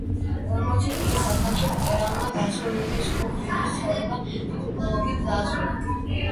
ორმოცი წლის ასაკში მწერალმა, გასული წლის ხუთ ივლისს ცხოვრება თვითმკვლელობით დაასრულა.